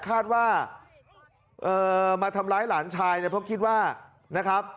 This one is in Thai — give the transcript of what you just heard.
คาดว่ามาทำร้ายหลานชายเนี่ยเพราะคิดว่านะครับ